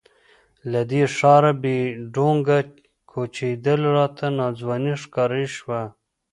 له دې ښاره بې ډونګه کوچېدل راته ناځواني ښکاره شوه.